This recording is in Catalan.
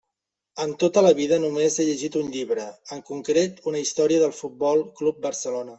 En tota la vida només he llegit un llibre, en concret una història del Futbol Club Barcelona.